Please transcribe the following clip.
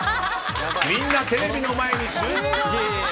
みんなテレビの前に集合！